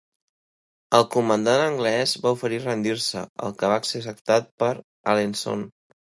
El comandant anglès va oferir rendir-se, el que va ser acceptat per Alençon.